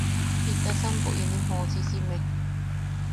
¿Jitasa empo inim joosisime?